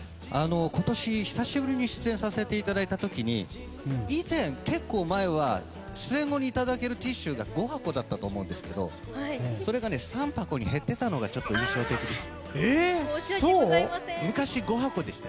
今年久しぶりに出演させていただいた時に以前、結構前は出演後にいただけるティッシュが５箱だったと思うんですけどそれが３箱に減ってたのがちょっと印象的でした。